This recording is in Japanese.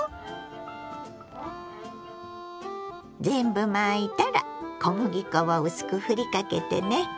全部巻いたら小麦粉を薄くふりかけてね。